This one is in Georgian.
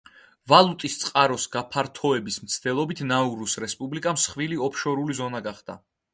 ვალუტის წყაროს გაფართოების მცდელობით, ნაურუს რესპუბლიკა მსხვილი ოფშორული ზონა გახდა.